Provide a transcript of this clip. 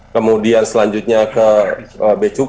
kemudian selanjutnya ke becukan